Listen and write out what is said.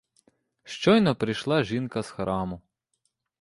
Щойно прийшла жінка з храму.